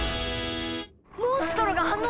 モンストロが反応した！